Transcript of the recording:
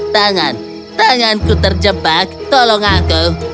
tangan tanganku terjebak tolong aku